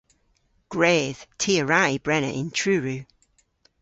Gwredh. Ty a wra y brena yn Truru.